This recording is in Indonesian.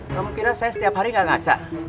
kamu kira saya setiap hari gak ngacak